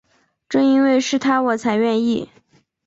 正因为是他我才愿意